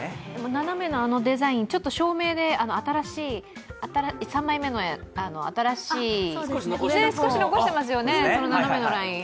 斜めのあのデザイン、ちょっと照明で３枚目の新しいもの、少し残してますよね、斜めのライン。